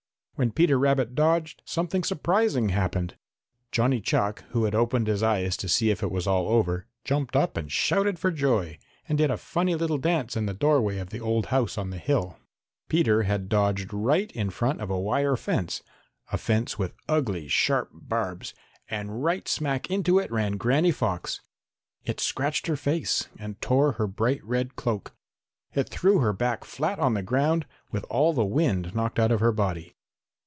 When Peter Rabbit dodged, something surprising happened. Johnny Chuck, who had opened his eyes to see if all was over, jumped up and shouted for joy, and did a funny little dance in the doorway of the old house on the hill. Peter had dodged right in front of a wire fence, a fence with ugly, sharp barbs, and right smack into it ran Granny Fox! It scratched her face and tore her bright red cloak. It threw her back flat on the ground, with all the wind knocked out of her body.